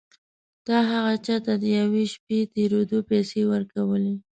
تا هغه چا ته د یوې شپې تېرېدو پيسې ورکولې.